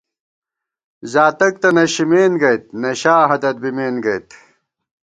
زاتک تہ نشِمېن گئیت، نشا ہَدت بمېن گئیت